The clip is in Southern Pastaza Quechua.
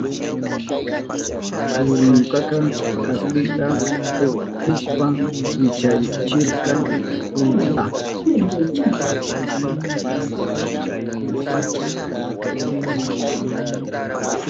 Turunkaka kaspita tuksishpa wichachirka pulbuta.